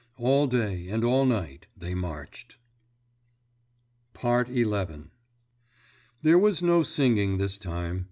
All day and all night they marched. XI There was no singing, this time.